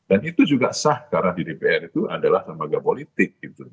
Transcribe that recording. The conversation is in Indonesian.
dan itu juga sah karena dpr itu adalah lembaga politik gitu